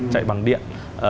chạy bằng điện